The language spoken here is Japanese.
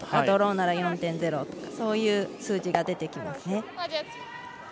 ドローなら４．０とかそういう数字が出てきますね。